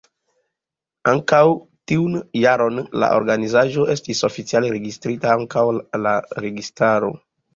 Ankaŭ tiun jaron la organizaĵo estis oficiale registrita antaŭ la registaro.